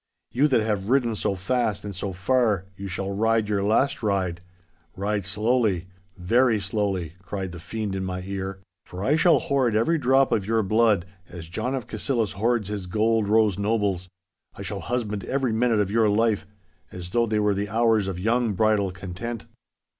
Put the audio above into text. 'You that have ridden so fast and so far, you shall ride your last ride—ride slowly, very slowly,' cried the fiend in my ear, 'for I shall hoard every drop of your blood as John of Cassillis hoards his gold rose nobles. I shall husband every minute of your life, as though they were the hours of young bridal content.